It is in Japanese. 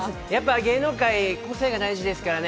芸能界は個性が大事ですからね。